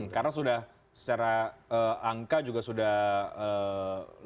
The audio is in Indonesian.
karena sudah secara angka juga sudah lebih